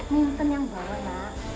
minum yang bawah